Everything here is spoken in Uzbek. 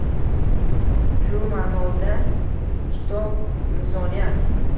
Shu ma’noda, kitob insoniyat.